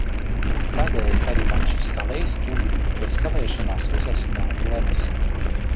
Tādēļ arī man šis kalējs, tūlīt bez kavēšanās uzasināja lemesi.